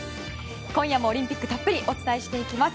今夜もオリンピックたっぷりお伝えしていきます。